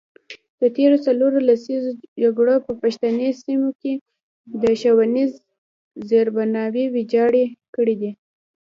د تیرو څلورو لسیزو جګړو په پښتني سیمو کې ښوونیز زیربناوې ویجاړې کړي دي.